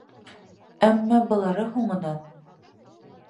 Әммә былары һуңынан.